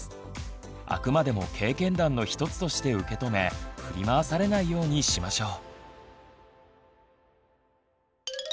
あくまでも経験談の一つとして受け止め振り回されないようにしましょう。